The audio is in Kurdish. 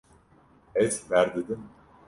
Ez berdidim.